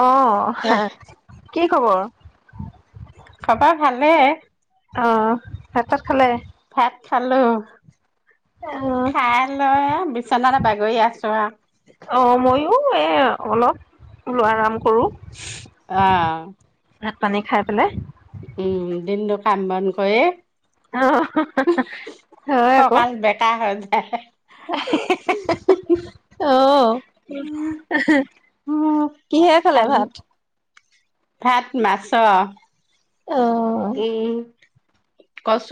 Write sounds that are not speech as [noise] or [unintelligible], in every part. অ কি কি খবৰ খবাৰ ভালে অ ভাত তাত খালে ভাত খালো অহ খাই লৈ বিচনাত বাগৰি আছো অ মইয়ো এ আৰু অলপ লোৱা আৰাম কৰোঁ আহ পানী খাই পেলাই উম দিনটো কাম বন কৰে অ হয় আকৌ হ আহ কিহে খালে কাম ভাত ভাত মাছৰ অহ উম কচ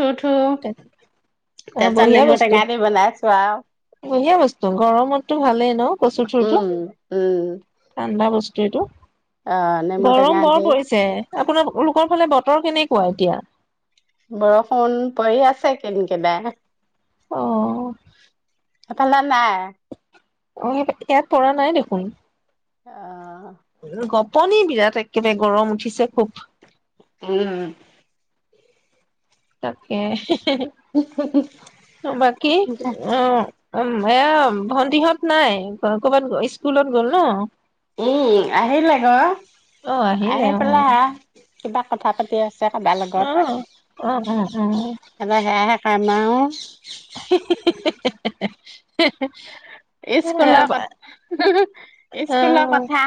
অ বঢ়িয়া নেমু বস্তু টেঙা দি বনাইছো আৰু বঢ়িয়া বস্তু গৰমত ভালে নাই ন কচু থো উম উম ঠাণ্ডা বস্তু ষ্টেইটো অ নেমু গৰম টেঙা বৰ দি পৰিছে আপোনালালোকৰ ফালে বতৰ কেনেকুৱা এতিয়া বৰষুণ পৰি আছে কেনেকে বে অ [unintelligible] এফালে নাই অ ইয়াত পৰাঢ নাই দেখোন অ গপনি বিৰাট একেবাৰে গৰম উঠিছে খুব উম তাকে বাকী অ এয়া ভন্ন্দিহঁত নাই ক'বাত স্কুলত গ'ল ন উম আহিলে গ অ আহিলে আহি অ পেলাই হা কিবা কথা পাতি আছে কাদাৰ অ লগত অ অ এ সেয়াে আামাৰো [unintelligible] স্কুলৰ কথা অ স্কুলৰ কথা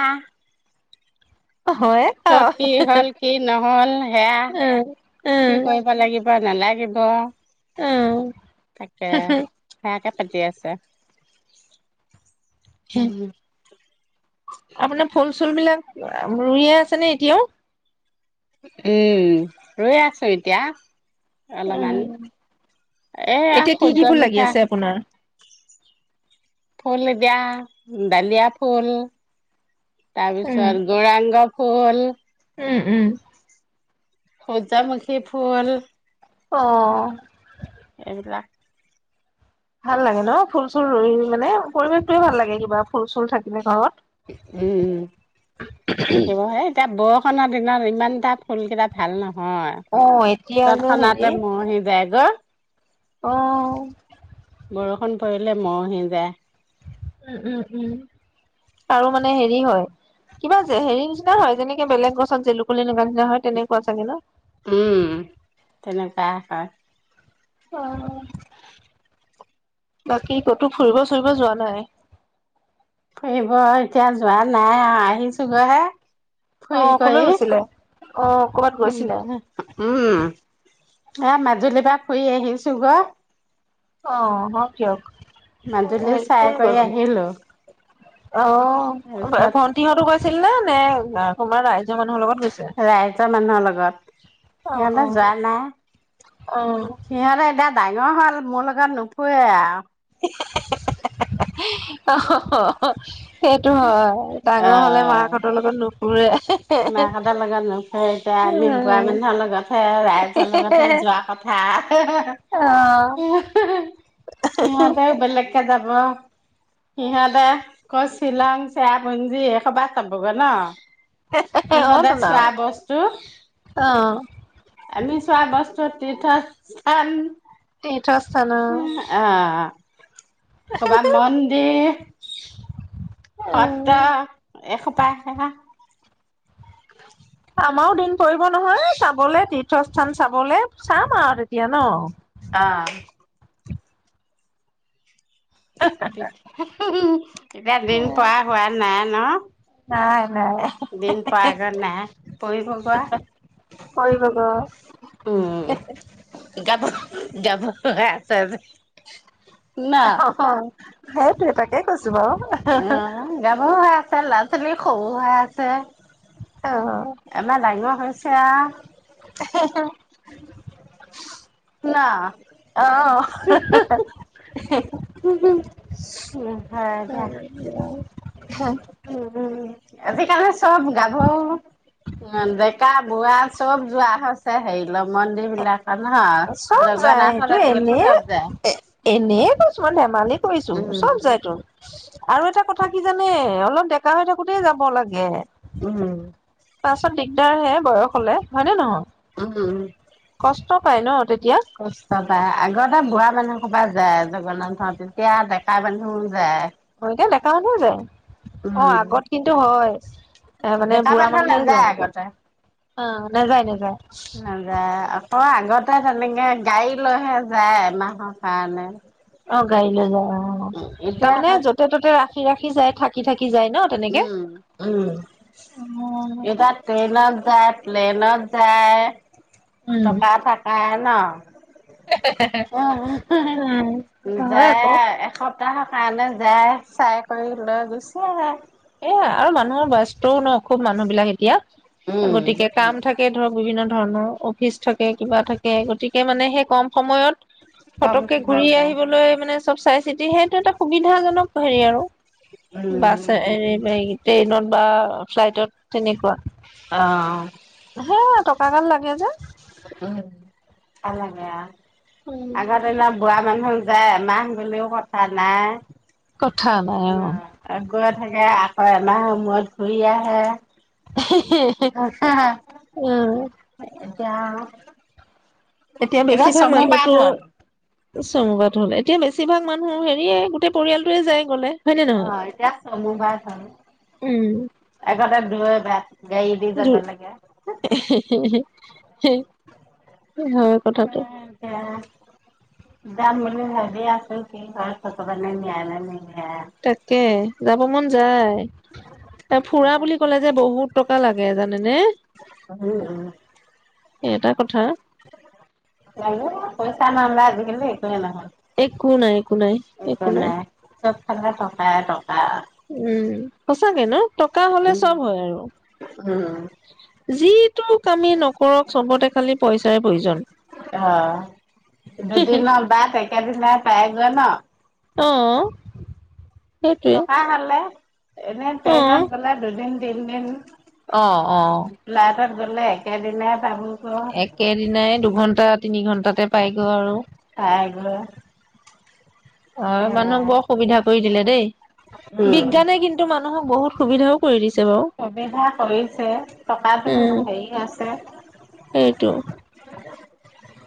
অ হয় কত আৰু কি হ'ল কি নহল সেয়া উম উম কি কৰিব লাগিব নালাগিব উম তাকে হ ক পাতি আছা হ আপোনাৰ ফল চুল বিলাক ৰুইয়ে আছে নে এতিয়াও উম ৰৈ আছো এতিয়া উ অলপমান এয়া এতিয়া কি কি ফুল লাগি সূৰ্যমুখা আছে আপোনাৰ ফুল দিয়া ডালিয়া ফুল তাৰ উম পিছত গোৰাংগ ফ'ল উম উম হজা মখি ফুল অ এইবিলাক ভাল লাগে ন ফুল চুল ই মানে পৰিৱেশটয়ে ভাল লাগে কিবা ফুল চুল থাকিলে ঘৰত উম, দেখিব হে এতিয়া খনৰ দিনত ইমান এটা ফুলকেইটা ভাল নহয় হয়। অ এতিয়া তৎক্ষণাতে মৰহি যায় অ অহ বৰষুণ পৰিলে মৰহি যায় উম উম উম আৰু মানে হেৰি হয় কিবা যে হেৰি নিচিনা হয় যেনেকে বেলেগ গছত জেলুকনি লাগে যে হয় তেনেকুৱা চাগে ন উম তেনেকুৱা হয় অ উ [unintelligible] বাকী ক'তো ফুৰিব চুৰিব যোৱা নাই ফুৰিব এতিয়া যোৱা নাই আৰু। আহিছোগৈ হে ফুৰি অ', কলৈ কৰি গৈছিলে? অ', ক'বাত অ গৈছিলে? মাজুলীৰ পৰা ফুৰি আহিছোগৈ অ অকে অকে মাজুলী চাই কৰি আহিলো অ তাৰপিছত ভন্টিহঁতো গৈছিল নে? আহ [unintelligible] সোমাৰ নাই ৰাইজৰ মানুহৰ লগত তাত অ', সিহঁতে অ', যোৱা নাই, অ', সিহঁতে এতিয়া ডাঙৰ হ'ল মোৰ লগত নুফুৰে আৰু অ সেইটো হয়, ডাঙৰ হলে মাকহঁতৰ লগত নুফুৰে মাকহতঁৰ লগত নুফুৰে এয়া মেম্বুুৱা মানে নুফুৰে। ভাল লগত [unintelligible] ৰাইজৰ লগতহে যোৱা কথা। অ মই তেও বেলেগ কে যাব [unintelligible] ইহঁতে ক'ৰ শ্বিলং, চেৰাপুঞ্জী। এইসোপা চাবগে ন অ সিহঁতে তোন আও চোৱা বস্তু আমি চোৱা বস্তু তীৰ্থত চাম তীৰ্থস্থান আৰু ক'ৰবাত মন্দিৰ সত্ৰ উম এসোপাই আহে না [unintelligible] আমাৰও দিন পৰিব নহয় চাবলে তীৰ্থস্থান চাবলে চাম আৰু তেতিয়া ন অ এতিয়া দিন প হোৱা নাই ন অ দিন প আগৰ নাই প়িব কোৱা কৰিব গ উম গাব যাব এছেছে অ সেইটয়ে তাকে কৈছ অ গাব ল'ৰা ছোৱালী খৰু হৈাই আছে আমাৰ ডাঙৰ হৈ হৈছে ত [unintelligible] ন অ হে হয় দিয়া হে উম উম আজিকালি চব গাভৰু ডেকা বুঢোৱাা চব যোৱা হৈছে হেৰি ল মন্দিৰ বিলাক অহা জগুৱানখন ৰাতিিকলে এ এ এনে কিছুমান ধেমালিত ছো উম চব যায় তোৰ আৰু এটা কথা থাকি জানে অলপ ডেকা হৈ থাকোতে যাব লাগে উম পাছত দিগদাৰ হে বয়স হলে হয়নেে নহয় উম উম কষ্টকাই ন তেতিয়া কষ্ট প আগৰ এটা বুঢ়া মানুহ সবা যায় জগন্নাথৰ তেতিয়া ডেকাাই মানুহও যায় অতি লেকা মহ যায় অ উম আগত কিন্তু হয় এ মানে বেকা বুঢ়া বেঠ মানুহে নেযায় যায় আগতে অ নাযায় নাযায় [unintelligible] অঁ আগতে তেনেকে গাড়ী লৈহে যায় এমাহৰ কাৰণে। অঁ গাৰীলৈ যাবা। অঁ এতিয়া তাৰমানে যতে ত'তে ৰাখি ৰাখি যাই থাকি থাকি যায় ন তেনেকে উম, উম উম এটা যায়, প্লেনত যায়। টকা থাকাই ন। [unintelligible] উম উম [unintelligible] হয় আকৌ যায় আৰু এস [unintelligible] কাৰণে যায় চায় কৰি লৈ গুচি আহে। [unintelligible] আৰু মানুহৰ বয়ষ্টো ন খুব মানুহ বিলাক এতিয়া। উম গতিকে, কাম থাকে ধৰক বিভিন্ন ধ [unintelligible] অফিচ থাকে, কিবা থাকে গতিকে মানে সেই কম সময়ত কম ফতককে কিমান ঘূৰি যায় আহিবলৈ মানে চব চাই চিতি সেইটো এটা সুবিধাাজনক হেৰি আৰু। উম। [unintelligible] ট্ৰেইনত বা ফ্লাইটত তেনেকুৱা। অঁ। হে টকা গাল লাগে যে। [unintelligible] উম আগতে ন বুঢ়া মানুহ যায় এমাহ গ'লেও কথা নাই। কথা নাই অঁ। গৈ [unintelligible] থাকে আকৌ এমাহৰ মূৰত ঘূৰি আহে। [unintelligible] এতিয়া আৰু এতিয়া বেছিভাগ মানুহতো [unintelligible] হ'ল এতিয়া বেছি ভাগ মানুহ হেৰিয়ে গোটেই পৰিয়ালটোয়ে যায় গলে। হয় নে নহয় অঁ এতিয়া [unintelligible] ভাল, উম আগতে [unintelligible] যাব লাগে। [unintelligible] [unintelligible] হয় কথাটো। এতিয়া যাম বুলি ভেৰি আছ কি ঘৰত থতে নায় ন ন তাকে যাব মন যায় ত ফুৰা বুলি ক'লে উম, যে বহুত টকা লাগে জানেনে উম, এটা কথা লাগে পইচা নহলে আজিকালি একোৱে নহয়। একো নাই একো নাই একো নাই। লাগে টকাই টকা। উম সচাকে ন। টকা হলে উম। চব হয় আৰু উম, যিটো আমি নকৰক চবতে খালি পইচাৰ প্ৰয়োজন। অ' ন পাই গল ন। আহ। টকা হলে - এনেই ট্ৰেইনত অ'। গলে দুদিন- তিনিদিন অ অ। তাত গ'লে একেদিনাই পাবো। একেদিনাই দুঘন্টা তিনি ঘন্টাতে পাই গৈ আৰু- [unintelligible] অ সেয়া মানুহক বৰ সুবিধা কৰি দিলে দেই উম। বিজ্ঞানে কিন্তু মানু- নহ বহুত সুবিধাও কৰি দিছে। বাৰু সুবিধা কৰিছে টকাতো উম, হেৰি আছে-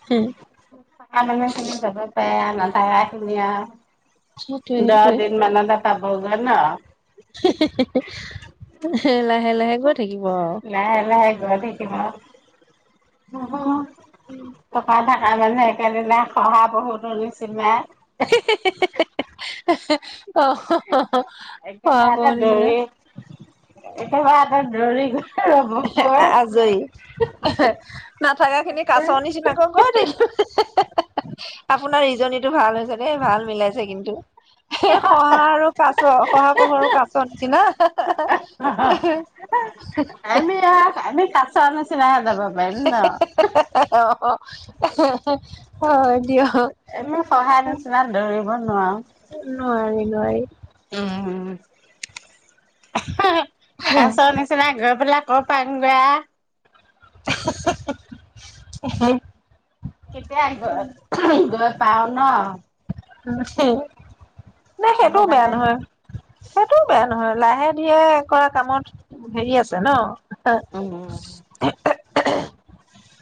হম। [unintelligible] [unintelligible] সেইটোৱে দহ দিন সেইটোৱে মান তাতে - [unintelligible] লাহে লাহে গই- লাহে লাহে গৈ থাকিব। [unintelligible] [unintelligible] তাৰ মানে একেদিনা [unintelligible] [unintelligible] অ অ কৰ দিছিল- কেতিয়াবা হতত দৰি গল। আজৰি নাথাকা খিনি কাচৰ নিচিনাকো ক থাকিলো আপোনাৰ ই জনীটো ভাল ই জনী দেই ভাল মিলাইছে কিন্তু। শহা আৰু কাছ শহা পহু আৰু কাছৰ নিচিনা। আমি আমি। নিচিনা হে যাব পাৰিম ন হে হে হয় দিয়ক এনে সহায় নিচিনা দৌৰিব নোৱাৰো। নোৱাৰি নোৱাৰি উম উমহ কাছৰ নিচিনা গৈ পেলায় ক পাং বা এহ হ হ আহ কেতিয়া আহিব পাও ন হে নে সেইটোও বেয়া ভগৱানে নহয় সেইটোও বেয়া নহয় লাহে-ধীৰে কৰা কামত হেৰি আছে ন উ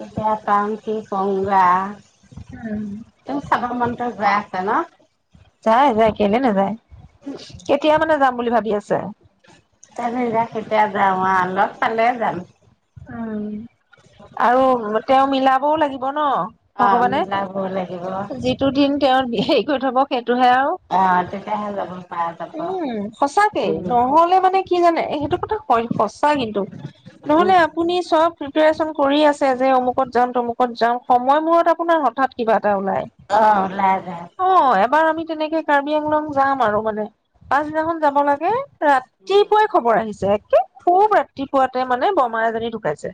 এতিয়া কি কং বা তেওঁ চাহৰ মান গৈয়ে আছে ন যায় যায় কেলে নেযায় কেতিয়া মানে যাম বুলি ভাবি আছে তা কেতিয়া যাম অ লগ পালে যাম উম আৰু তেওঁ মিলাবও লাগিব ন অ ভগৱানে মিলাব লাগিব যিটো দিন তেওঁ হেৰি কৰি থব খেই টো হে আৰু অ তেতিয়াহে যাব পৰা যাব উম সচাঁকে উম নহ'লে মানে কি কি জানে সেইটো কথা হয় সঁচা কিন্তু উম নহ'লে ব প্ৰিপেৰেচন কৰি আছে যে অমুকত যাম তমুকত যাম সময় মূৰত আপোনাৰ হঠাৎ কিবা এটা ওলাই অ ওলাই যায় অ' এবাৰ আমি তেনেকে কাৰ্বি আংলং যাম আৰু মানে পাছদিনাখন যাব লাগে ৰাতিপুৱাই খবৰ আহিছে একে খুব ৰাতিপুৱাতে মানে বমা এজনী টোকাইছে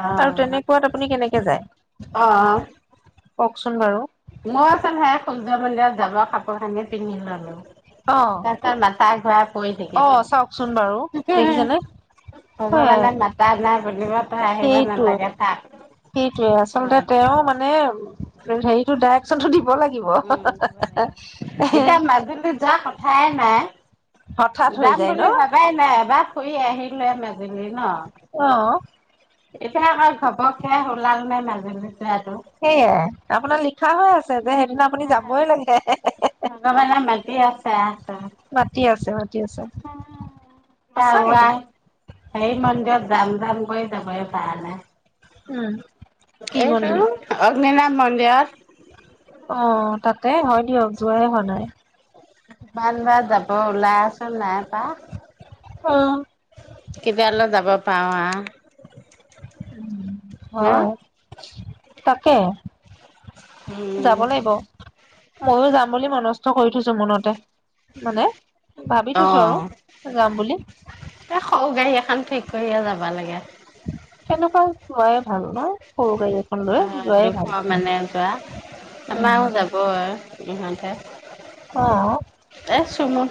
অ আৰু তেনেকুৱাত আপুনি কেনেকে যায় কওকচোন বাৰু ময় ছোন হে সূৰ্য মন্দিৰত যাব কাপোৰ খানি পিন্ধি ললো অ' তাৰপিছত মাথাা ঘৰা অ চাওকচোন বাৰু দেখিছেনে ভগৱানে মাতা নাই বুলিব তই আহিব নালাগে সেইটোৱে থাক সেইটোৱে আচলতে তেওঁ মানে হেৰিটো দাইক চো দিব লাগে উম [unintelligible] লাগে এতিয়া মাজুলী যাম হাই নাই হঠাৎ হৈ যাম যায় ন বুলি ভাবাই নাই এবাৰ ফুৰি আহি- লৈ ম [unintelligible] দিলি ন অ' এতিয়া আকৌ ঘপককে ওলালো নাই মাজুলী যোৱাটো সেয়াই আপোনাৰ লিক- উথা হৈ আছে যে সেইদিনা আপুনি যাবই লাগে হে হে হে হে ভগৱানে মাতি আছে আহ তই মাতি আছে মাতি আছে সচাকে কিন্তু সেই মন্দিৰত যাম যাম গৈ যাবহে পাৰা নাই উম কি এইটো মন্দিৰ অগ্নি নাভ মন্দিয়ত অ তাতে হয় দিয়ক যোৱাই হোৱা নাই কিমানবাৰ যাব ওলাই আছো নাই বা অ কিবা অললে যাব পাওঁ আ উম ন হয় তাকে উম যাব লাগিব মইয়ো যাম বুলি মন- কষ্ট কৰি থৈছো মনতে মানে ভাবি অ থৈছো আৰু যাম বুলি এ খৌ গাড়ী খাম ঠিক কৰিয়ে যাব লাগে তেেনেকুৱা চোৱাই ভাল নহয় সৰু গাড়ী এখন লৈ অ যোৱাই দুশ ভাল মানে যোৱা উম আমাৰও যাব আৰু ইহতে অ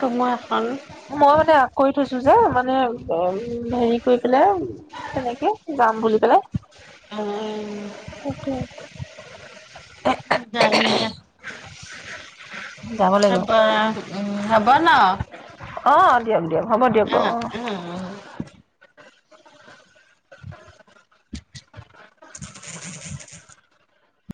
তুমু এখন মই মানে আগ কৰি থৈছো যে মানে উ হেৰি কৰি পেলাই তেনেকে যাম বুলি বলে উ গ উ যাব লাগিব হব উ হব ন অ দিয়ক দিয়ক হ'ব দিয়ক অ বাৰু উ উ [unintelligible]